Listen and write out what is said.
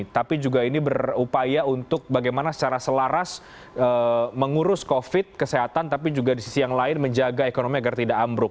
tapi juga ini berupaya untuk bagaimana secara selaras mengurus covid kesehatan tapi juga di sisi yang lain menjaga ekonomi agar tidak ambruk